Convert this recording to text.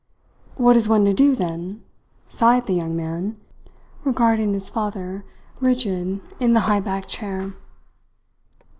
"What is one to do, then?" sighed the young man, regarding his father, rigid in the high backed chair.